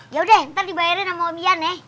ya udah ntar dibayarin sama om yan ye